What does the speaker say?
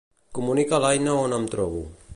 Comunica a l'Aina on em trobo.